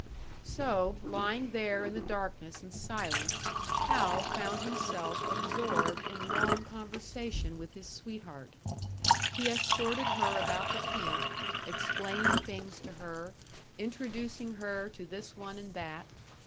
So, lying there in the darkness and silence, Hal found himself absorbed in long conversation with his sweetheart. He escorted her about the camp, explaining things to her, introducing her to this one and that.